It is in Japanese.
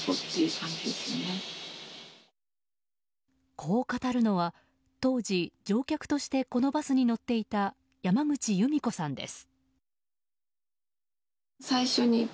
こう語るのは、当時乗客としてこのバスに乗っていた山口由美子さんです。